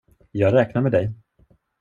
Jag räknar med dig.